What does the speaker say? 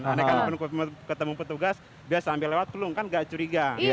karena ketemu petugas dia sambil lewat belum kan nggak curiga